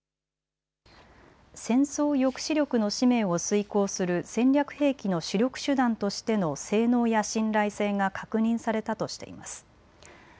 戦争抑止力の使命を遂行する戦略兵器の主力手段としての性能や信頼性が確認されたとしています。